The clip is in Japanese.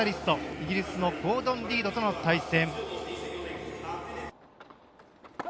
イギリスのゴードン・リードとの対戦。